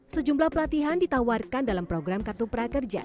sejumlah pelatihan ditawarkan dalam program kartu prakerja